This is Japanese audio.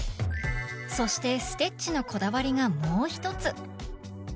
そしてステッチのこだわりがもう一つ！